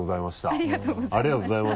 ありがとうございます。